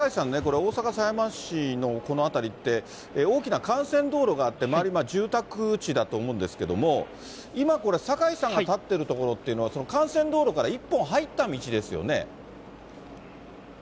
それからまたバックをして、さらに前進して、これ、酒井さんね、大阪狭山市のこの辺りって、大きな幹線道路があって、周り、住宅地だと思うんですけど、今これ、酒井さんが立ってる所っていうのは、幹線道路から１本入った道ですよね。